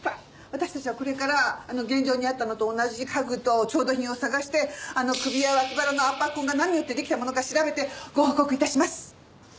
私たちはこれからあの現場にあったのと同じ家具と調度品を探してあの首や脇腹の圧迫痕が何によってできたものか調べてご報告致します。